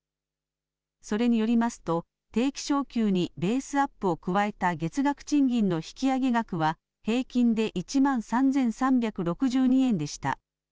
それによりますと、定期昇給にベースアップを加えた月額賃金の引き上げ額は、平均で１万３３６２円でした。